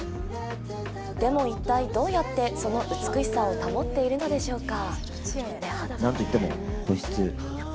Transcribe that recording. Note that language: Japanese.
でも一体、どうやってその美しさを保っているのでしょうか。